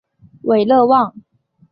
韦勒旺。